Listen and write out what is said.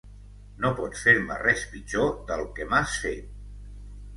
No pots fer-me res pitjor del que m'has fet.